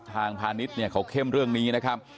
ทางพาณิชย์เขาเข้มเรื่องนี้นะครับ